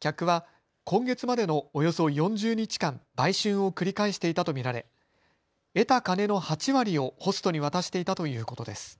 客は今月までのおよそ４０日間、売春を繰り返していたと見られ得た金の８割をホストに渡していたということです。